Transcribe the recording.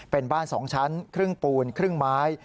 เป็นบ้าน๒ชั้นครึ่งปูนครึ่งไม้